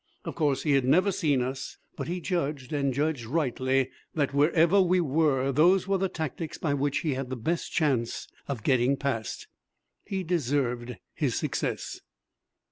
Of course, he had never seen us, but he judged, and judged rightly, that wherever we were those were the tactics by which he had the best chance of getting past. He deserved his success.